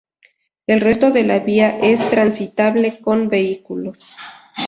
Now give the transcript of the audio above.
El resto de la vía es transitable con vehículos.